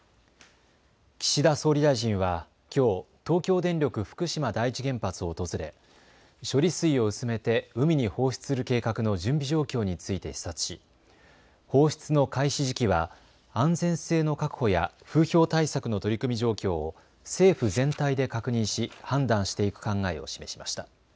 岸田総理大臣はきょう東京電力福島第一原発を訪れ処理水を薄めて海に放出する計画の準備状況について視察し放出の開始時期は安全性の確保や風評対策の取り組み状況を政府全体で確認し判断していく考えを示しました。